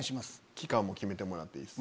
期間も決めてもらっていいです。